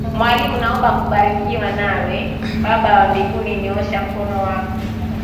Mwalimu naomba kubarikiwa nawe. Baba wa mbinguni nyosha mkono wako.